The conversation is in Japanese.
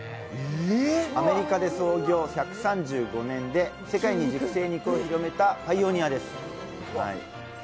アメリカで創業１３５年で、世界に熟成肉を広めたパイオニアです。